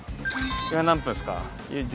今何分ですか？